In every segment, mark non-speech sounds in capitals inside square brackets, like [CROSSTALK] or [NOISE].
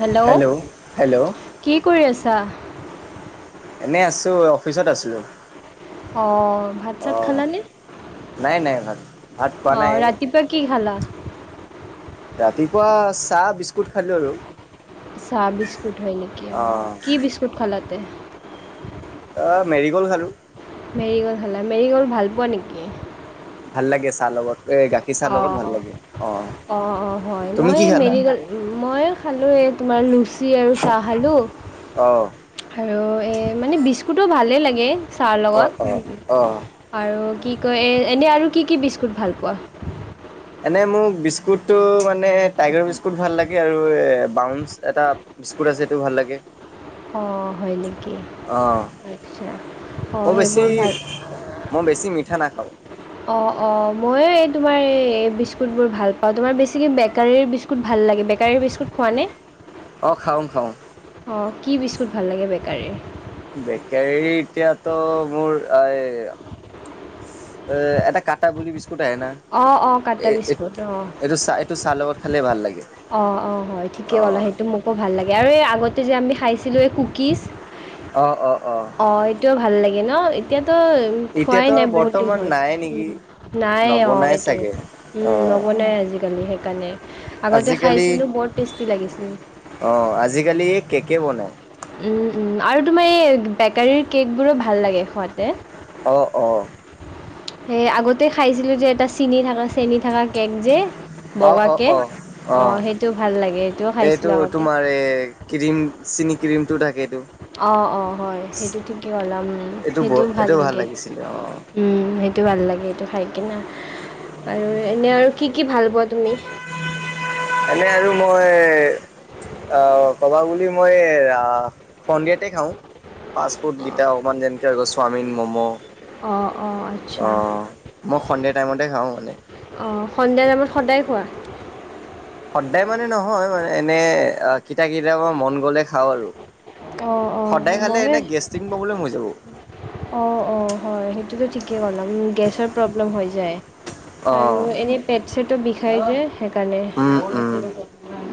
Hello hello কি কৰি আছা? এনে আছো অফিচত আছো। অ, ভাত-চাত খালানে। নাই, নাই ভাত, ভাত খোৱা অঁ নাই। ৰাতিপুৱা কি খালা ৰাতিপুৱা চাহ বিস্কুট খালো আৰু। চাহ বিস্কুট হয় নেকি অ, কি অঁ বিস্কুট খালাতে। অ, মেৰি গ'ল খালো। মেৰি গ'লড খাল মেৰিগলডাল পোৱা নেকি। ভাল লাগে চাহ লগত এ গাখীৰ চাহ লগত ভাল লাগে। অঁ অ', অ', হয় তুমি মই কি খালা মেৰিল মই খালো এই তোমাৰ লুচি আৰু চহালো। অ'। আৰু এই মানে বিস্কুটো ভালেই লাগে ছাৰৰ অঁ অঁ অঁ লগত আৰু কি কয় এনে আৰু কি, কি বিস্কুট ভাল পোৱা? এনে মোক বিস্কুটটো মানে টাইগাৰ বিস্কুট ভাল লাগে আৰু এ বাউন্চ এটা বিস্কুট আছে সেইটো ভাল লাগে। অ, হয় নেকি আচ্ছা। ম অঁ বেছি সেইবোৰ মই বেছি মিঠা নাখাওঁ। অ', অ', মইয়ো এই তোমাৰ এই বিস্কুট বোৰ ভাল পাওঁ তোমাৰ বেছ বেকাৰীৰ বিস্কুট। ভাল লাগ বেকাৰী বিস্কুট খোৱাে নে? অ, খাওঁ, খাওঁ। অ, কি বিস্কুট ভাল লাগে বেকাৰীৰ? বেকাৰী এতিয়াতো মোৰ এই অ, এটা কটা বুলি বিস্কুট আহো। অঁ অঁ কাটা এ, বিস্কুট অঁ এইটো চা এইটো চাহৰ লগত খালে ভাল লাগে। অ', অ', হয় ঠিকে অ হ'ল সেইটো মোকো ভাল লাগে আৰু এই আগতে যে আমি খাইছিলোঁ এই কুকিজ অ', অ', অ'। অ, এইটোও ভাল লাগে ন এতিয়াতো খোৱাই এতিয়াতো নাই বহুত দিন বৰ্তমান হ'ল। নাই নেকি নাই অ, নবনাই এইটো চাগে অ উম, নবনাই আজিকালি সেইকাৰণে আগতে আজিকালি খাইছিলোঁ বৰ টেষ্টি লাগিছিল। অ, আজিকালি এই কেকে বনাই উম, উম, আৰু তোমাৰ এই বেকাৰীৰ কেক বোৰো ভাল লাগে খোৱাতে। অ', অ'। সেই আগতেই খাইছিলোঁ যে এটা চেনি থকা চেনি থকা কেক যে অ অ বগাকে অ অ, সেইটো ভাল লাগে সেইটোও খাইছিলোঁ আগতে। আৰে ক্ৰীম, চিনি ক্ৰীমটো থাকেটো। অ', অ', হয়, সেইটো ঠিকেই ওলাম, এইটো সেইটোও ভাল এইটো লাগে। লাগিছিলে অ সেইটো ভাল লাগে এইটো খাই কিনা আৰু এনেই আৰু কি, কি ভাল পোৱা তুমি? এনেই আৰু মই অ', ক'বা বুলি মই সন্ধিয়াতে খাওঁ। ফাষ্ট ফুডকিটা অকণমান যেনেকে হৈ গ'ল চাওমিন, ম'ম'। অঁ অঁ আচ্ছা অ', মই সন্ধিয়া টাইমতে খাওঁ মানে। অ', সন্ধিয়া টাইমত সদায় খোৱা? সদায় মানে নহয় মানে, এনে কিটা কিটাবা মন গ'লে খাওঁ আৰু। অঁ অঁ সদায় খালে এনে গেষ্টিং প্ৰব্লেম হৈ যাব। অ', অ', হয়, সেইটোতো ঠিকেই ক'লা উম, গেছৰ প্ৰব্লেম হৈ যায়। অঁ আৰু এনেই পেট চেটো বিষাই যে। সেইকাৰণে উম উম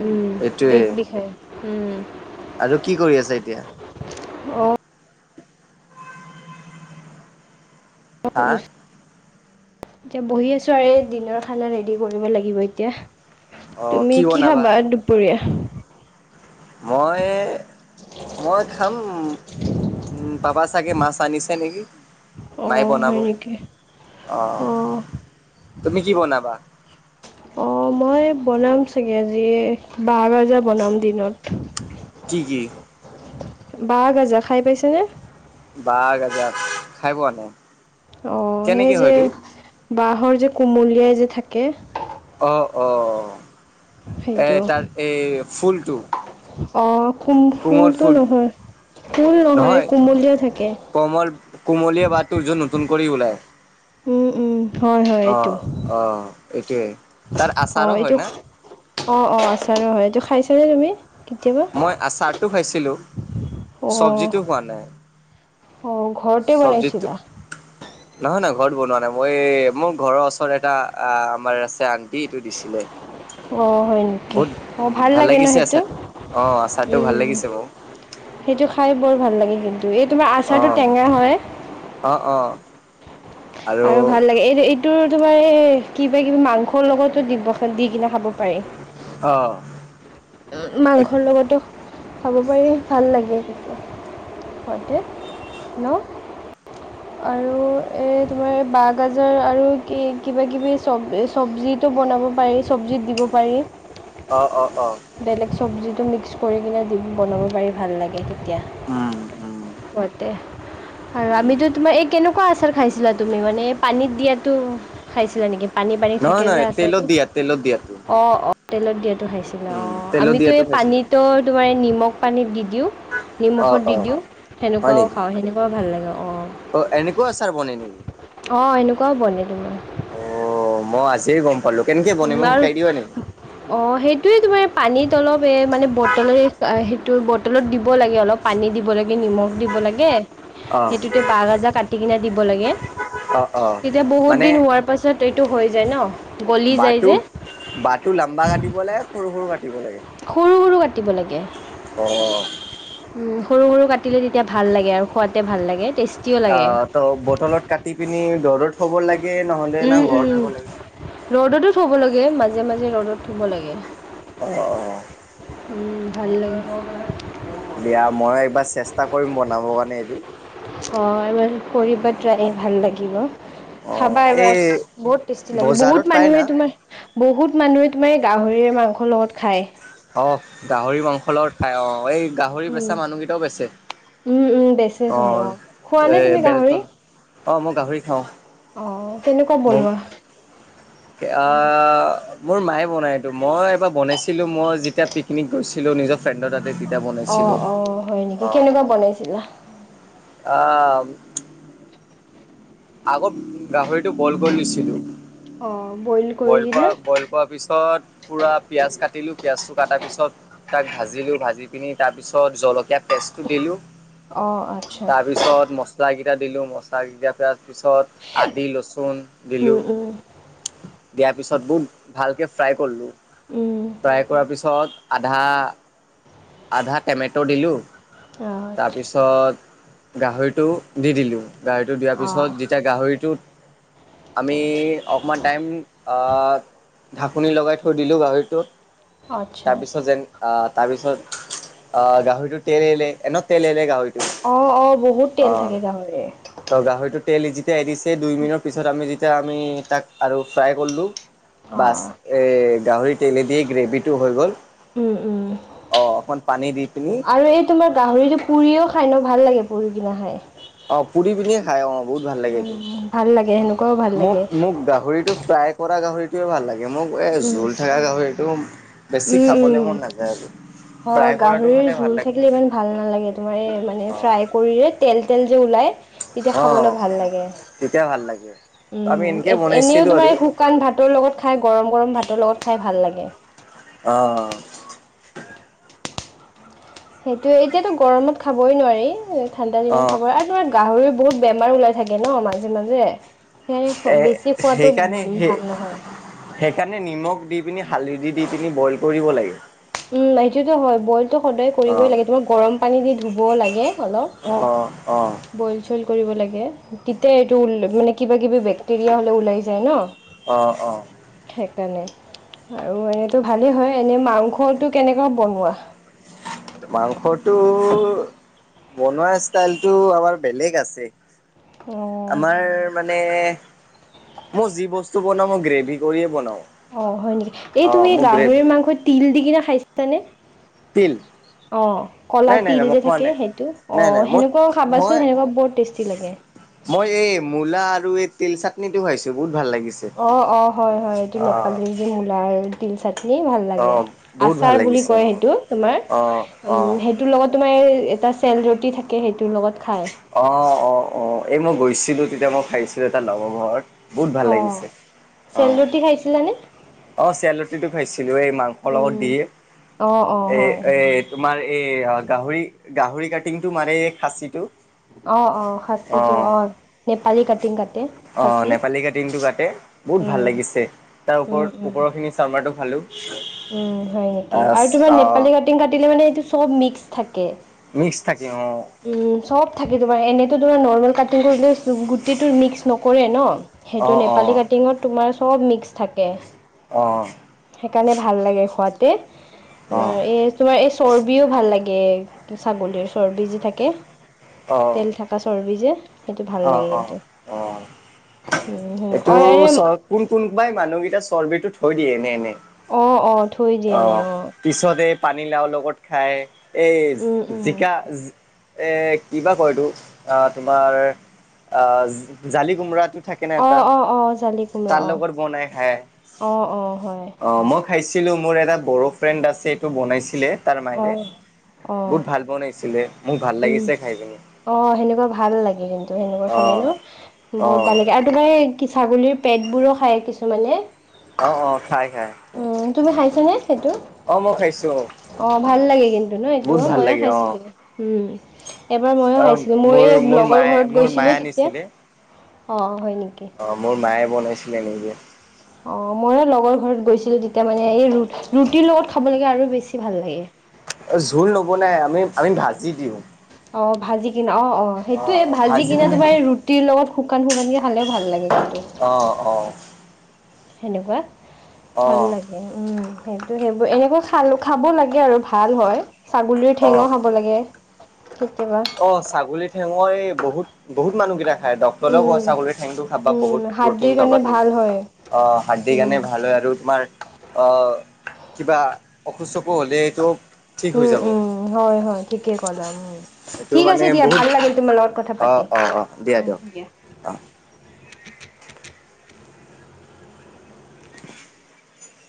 উম, এইটোৱে পেট বিষাই উম। আৰু কি কৰি আছা এতিয়া? অ'। হা [INAUDIBLE] এতিয়া বহি আছোঁ আৰু দিনৰ খানা ৰেডি কৰিব লাগিব এতিয়া। অঁ তুমি কি বনাবা? খাবা দুপৰীয়া? মই, মই খাম উম, পাবা চাগে মাছ আনিছে নেকি? মায়ে অঁ বনাব, হয় নেকি অ', তুমি কি বনাবা? [INAUDIBLE] অ', মই বনাম চাগে আজি [UNINTELLIGIBLE] বনাম দিনত। কি, কি? বাঁহৰ গাজা খাই পাইছানে? বাঁহৰ গাজা খাই পোৱা নাই। অ', সেই কেনেকে যে হয়তো বাঁহৰ যে কোমলিয়াই যে থাকে। অ', অ', এই সেইটো তাৰ এই ফুলটো! অ', কুম কোমল ফুলতটো ফুলটো নহয়, ফুল নহয় কোমলীয়া থাকে। কমল-কোমলীয়া বাঁহটোৰ য নতুন কৰি ওলায়। উম, উম, হয়, হয়, অ এইটো। অ এইটোৱে তাৰ আচাৰো অ', হয় এইটো না অ', অ', আচাৰো হয়, এইটো খাইছানে তুমি? কেতিয়াবা মই আচাৰটো খাইছিলোঁ, অঁ চবজিটো খোৱা নাই। অ', ঘৰত চবজিটো [INAUDIBLE] নহয়, নহয় ঘৰত বনোৱা নাই। মই মোৰ ঘৰৰ ওচৰত এটা আমাৰ আছে আণ্টি এইটো দিছিলে। অ', হয় নেকি? বহুত অ', উম ভাল লাগে ন লাগিছে সেইটো আচাৰটো অ আচাৰটো ভাল উম। লাগিছে মোক সেইটো খাই বৰ ভাল লাগে কিন্তু, এই তোমাৰ অ আচাৰটো টেঙা হয়। অ', অ'। আৰু ভাল লাগে এইটো এই টো তোমাৰ এ, কিবা কিবি মাংসৰ লগতো দিব, দি কিনে খাব পাৰি। অ'। মাংসৰ লগতো খাব পাৰি ভাল লাগে [UNINTELLIGIBLE] [UNINTELLIGIBLE] ন! আৰু এই তোমাৰ বাঁহ গাজাৰ আৰু কি-কিবা কিবি চব- চবজিত টো বনাব পাৰি চবজিত দিব পাৰি। অ', অ', অ'। বেলেগ চবজিটো মিক্স কৰি কিনে দি, বনাব পাৰি ভাল লাগে [UNINTELLIGIBLE] উম, উম। ঘ আৰু উম, আমিতো তোমাৰ এই কেনেকুৱা আচাৰ খাইছিলা তুমি মানে পানীত দিয়াতো খাইছিলা নেকি পানী পানী নহয় থাকে যে নহয় তেলত আচাৰটো দিয়া তেলত দিয়াটো অ অ তেলত দিয়াটো খাইছিলো উম, অঁ তেলত আমিতো দিয়াটো এই খাইছিলো। পানীতো তোমাৰ নিমখ পানীত দি দিওঁ অ', নিমখত দি অ', দিওঁ হয় সেনেকুৱাও নেকি খাওঁ সেনেকুৱাও ভাল লাগে অঁ অ', এনেকুৱা আচাৰ বনে নেকি? অ এনেকুৱাও বন তোমাৰ অ মই আজিয়ে গম পালো কেনেকে বন মোক শিকাই দিবা নেকি অ সেইটোয়ে তোমাৰ পানীত অলপ এ মানে বটলে ত বটলত দিব লাগে অলপ পানী দিব লাগে নিমখ দিব লাগে অ', সেইটোতে বাহ গাজা কাটি কিনে দিব লাগে অ', অ', তেতিয়া বহুত মানে দিন হোৱাৰ পাছত এইটো হৈ যায় ন গলি যায় বাতু যে বাতু লাম্বা কাটিব লাগে সৰু সৰু কাটিব লাগে সৰু সৰু কাটিব লাগে অ উ সৰু সৰু কাটিলে তেতিয়া ভাল লাগে আৰু খোৱতে ভাল লাগে টেষ্ট অ ত বটলত কাটি পিনি দৰত থ'ব লাগে নহলে না ঘৰত থ'ব লাগে ৰ'দতো থ'ব লাগে মাজে মাজে ৰ'দত থব লাগে অ অ ভাল লাগে দিয়া মই একবাৰ চেষ্টা কৰিম বনাব কাৰণে এইটো অ এবাৰ কৰিবা ত্ৰায় ভাল লাগিব অ', খাবা এই এবাৰ বহুত টেষ্টি লাগে বজাৰত বহুত পায় না? মানুহে তোমাৰ বহুত মানুহে তোমাৰ এই গাহৰি মাংসৰ লগত খায় অ গাহৰি মাংসলৰ খাই অ এই গাহৰি উম বেচা মানুহকেইটাও বেচে উম উম অ বেচেচোন অঁ খোৱানে এ তুমি গাহৰি বেলতল অঁ মই গাহৰি খাওঁ অ তেনেকুৱা বনোৱা এ আহ মোৰ মায়ে বনাইটো মই এবাৰ বনাইছিলো মই যেতিয়া পিকনিক গৈছিলো নিজৰ ফ্ৰেণ্ডৰ তাতে যি অ বনাইছিলো অ হয় নেকি কেনেকুৱা বনাইছিলা অ আগত গাহৰিটো বইল কৰি দিছিলো অ কৰি বইল কিনে বল খোৱাৰ পিছত পূৰা পিঁয়াজ কাটিলোঁ পিঁয়াজটো কটাৰ পিছত তাক ভাজিলো ভাজি পিনি তাৰ পিছত জলকীয়া পেষ্টটো দিলো অ আচ্ছা তাৰ পিছত মছলা কেইটা দিলো মছলা কিটাৰ পি পিছত আদি লচুন উম দিলোঁ উম দিয়াৰ পিছত বহু ভালকৈ ফ্ৰাই কৰিলোঁ উম ফ্ৰাই কৰাৰ পিছত আধা আধা টেমেট' দিলোঁ আচ্ছা তাৰপিছত গাহৰিটো দি দিলোঁ গাহৰিটো দিয়াৰ অ পিছত যেতিয়া গাহৰিটো আমি অকণমান টাইম ঢাকনি লগাই থৈ দিলোঁ গাহৰিটোত আচ্ছা তাৰপিছত যেন আহ তাৰ পিছত আহ গাহৰিটো তেল এলে এন তেলেৰে গাহৰি অ অ বহুত অ তেল থাকে গাহৰিৰ ত গাহৰিটো তেল যেতিয়া এৰিছে দুই মিনিৰ পিছত আমি যেতিয়া আমি তাক আৰু ফ্ৰাই কৰিলোঁ অ বাছ এ গাহৰি তেলে দিয় গ্ৰেভিটো হৈ গ'ল উম উম অ অকমান পানী দি পিনি আৰু এই তোমাৰ গাহৰিতো পুৰিও খাই ন ভাল লাগে পুৰি কিনা খাই অ পুৰি পিনিয়ে খাই অ বহুত ভাল লাগে উম ভাল লাগে সেনেকুৱাও ভাল এইটো লাগে মোক মোক গাহৰিটো ফ্ৰাই কৰা গাহৰিটোৱে ভাল লাগে, মোক এ উম জোল থকা গাহৰিটো বেছি উম উম খাবলৈ মন নাযায় আৰু। হয়, ফ্ৰাই কৰাটো গাহৰিৰ খালে ভাল জোল লাগে থাকিলে ইমান ভাল নালাগে তোমাৰ মানে অ ফ্ৰাই কৰিলে, তেল তেল যে ওলাই, তেতিয়া অ খাবলৈ ভাল লাগে। তেতিয়া ভাল লাগে। উ, আমি এনেকে এনেও বনাইছিলো তোমাৰ আৰু এই শুকান ভাতৰ লগত খাই গৰম গৰম ভাতৰ লগত খাই ভাল লাগে। অ। সেইটোৱে। এতিয়াতো গৰমত খাবই নোৱাৰি, ঠাণ্ডা অ দিনত খাব আৰু তোমাৰ গাহৰিৰ বহুত বেমাৰ ওলাই থাকে ন'! মাজে, মাজে। সেয়ে, এ বেছি খোৱাতো সেইকাৰণে সেই ভাল নহয়। সেইকাৰণে নিমখ দি পিনি, হালধি দি পিনি, বইল কৰিব লাগে। উম সেইটোতো হয় বইলটো সদায় কৰিবই অ', লাগে। তোমাৰ গৰম পানী দি ধুবও লাগে অলপ অ', অ। বইল চইল কৰিব লাগে। তেতিয়া এইটো মানে কিবা কিবি বেক্টেৰিয়া হ'লে ওলাই যায় ন'! অ, অ। সেইকাৰণে, আৰু এনেতো ভালেই হয় এনে মাংসটো কেনেকা বনোৱা? মাংসটো, বনোৱাৰ ষ্টাইলটো আমাৰ বেলেগ আছে। অ'। আমাৰ মানে, মই যি বস্তু বনাওঁ মই গ্ৰেভি কৰিয়ে বনাও। অ' হয় নেকি! এই তুমি গাহৰিৰ মাংসত তিল দি কিনে খাইছানে? তিল অ, ক'লা নাই নাই তিল নাই মই যে খোৱা থাকে নাই। সেইটো, অ' নাই নাই মই সেনেকুৱাও মই খাবাচোন সেনেকুৱা বৰ টেষ্টি লাগে। মই এই মূলা আৰু এই তিল চাটনিটো খাইছো। বহুত ভাল লাগিছ অ, অ, হয়, হয়, এইটো নেপালীৰ যে মূলাৰ তিল চাট নেই ভাল লাগে। অ', বহুত ভাল আচাৰ বুলি লাগিছে কয় অ', সেইটো তোমাৰ, অ', উম্ অ'। সেই সেইটোৰ লগত তোমাৰ, এই এটা চেল ৰুটি থাকে সেইটোৰ লগত খাই। অ' অ, অ। এই মই গৈছিলো, তেতিয়া মই খাইছিলো এটা লগৰ ঘৰত বহুত ভাল অ লাগিছে, অ চেল ৰুটি খাইছিলানে? অ' চেলৰুটিটো খাইছিলো। এই মাংসৰ লগত উম দিয়ে, অ অ এ, হয় এ, তোমাৰ এই গাহৰি গাহৰি কাটিংটো মানে, এই খাচীটো অ অ খাচীটো আহ, অ নেপালী কাটিং কাটে আহ খাচী নেপালী কাটিংটো কাটে। বহুত ভাল উম লাগিছে। তাৰ উম ওপৰত, উম ওপৰৰখিনি চামৰাটো খালোঁ। উম হয় নেকি? আৰু তোমাৰ নেপালী কাটিং কাটিলে মানে এইটো চব মিক্স থাকে। মিক্সছ থাকে, অ। উম্, চব থাকে তোমাৰ। এনেইতো ধৰা, নৰ্মেল কাটিং কৰিলে গোটেইটো মিক্স নকৰে ন'। সেইটো অ', নেপালী অ', কাটিঙত তোমাৰ চব মিক্স থাকে। অ। সেইকাৰণে ভাল লাগে খুৱাতে, তোমাৰ অ', এই তোমাৰ এই চৰ্বিও ভাল লাগে ছাগলীৰ, চৰ্বি যে থাকে, অ', তেল থাক পা চৰ্বি যে, সেইটো ভাল অ, লাগে অ, কিন্তু অ, উম, এইটো সেনেকুৱা এ চ কোন কোনবাই মানুহকেইটা চৰ্বিটো থৈ দিয়ে এনে এনেই। অ, অ, থৈ দিয়ে এনেই অ। পিছত এই পানীলাওৰ লগত খাই, উম, এই উম, জিকা এ কিবা কয় এইটো! আহ তোমাৰ জালি কোমৰাটো থাকে না এটা, অ', অ', অ', জালি কোমৰা তাৰ অ', লগত বনাই খাই। অ', অ', হয়। অ মই খাইছিলোঁ, মোৰ এটা বড়' ফ্ৰেণ্ড আছে। এইটো বনাইছিলে তাৰ মাইৰে। অঁ অঁ বহুত ভাল বনাইছিলে, মোক ভাল লাগিছে খাই পিনি। তা অ সেনেকুৱা ভাল লাগে কিন্তু সেনেকুৱা খালে অ', ন বহুত অ', ভাল লাগে তোমাৰ এই ছাগলীৰ পেটবোৰো খায় কিছুমানে অ অ খাই খাই উ তুমি খাইছ নে সেইটো অ মই খাইছো অ অ ভাল লাগে কিন্তু ন এইটো মইয়ে খাইছিলো অ', উম এবাৰ ময়ো অ', খাইছিলো মোৰ এই লগৰ মায়ে ঘৰত মোৰ গৈছিলো মায়ে তেতিয়া আনিছিলে অ হয় নেকি অ মোৰ মায়ে বনাইছিলে এনেকৈ অ মইয়ে লগৰ ঘৰত গৈছিলো তেতিয়া মানে এই ৰুটিৰ লগত খাবলৈকে আৰু বেছি ভাল লাগে জোল নব নাই আমি আমি ভাজি দিওঁ অ ভাজি কিনা অ অ সেইটোয়ে ভাজি কিনা তোমাৰ টিৰ লগ শুকান শুকানকৈ খালেও ভাল লাগে সেইটো অ অ সেনেকুৱা অ ভাল লাগে উম সেইটো সেইবোৰ এনেকৈ খাল খাব লাগে আৰু ভাল হয় ছাগলীৰ অ ঠেঙ খাব লাগে কেতিয়াবা অ ছাগলী ঠেঙই বহুত বহুত মানুহকেইটা খাই দ তলেও ক উম ছাগলীৰ ঠেংটো খাবা উম বহুত প্ৰ'টিন হাৰ্দিৰ পাবা কাৰণে তুমি ভাল হয় অ হাৰ্দিৰ উম গানে ভাল হয় আৰু তোমাৰ কিবা অসুস্থ চকু হ'লেইটো উম উম হয় হয় ঠিকে কদম উম এইটো ঠিক আছে মানে দিয়া বহুত ভাল লাগিল তুমাৰ লগত কথা অ পাতি অ অ উ দিয়ক দিয়া অ [UNINTELLIGIBLE]